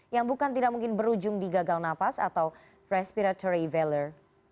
yang bukan tidak mungkin berujung di gagal nafas atau respiratory valler